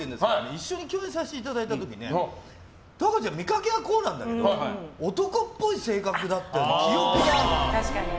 一緒に共演させていただいた時に十和子ちゃん見かけはこうなんだけど男っぽい性格だって聞いた。